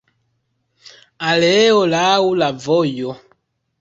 Aleo laŭ la vojo.